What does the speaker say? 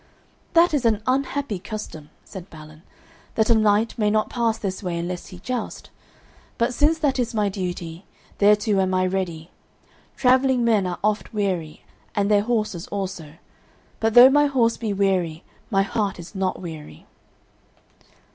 "That is an unhappy custom," said Balin, "that a knight may not pass this way unless he joust, but since that is my duty, thereto am I ready. Travelling men are oft weary, and their horses also; but though my horse be weary my heart is not weary."